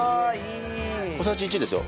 小さじ１ですよ。